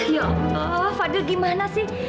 ya allah fadil gimana sih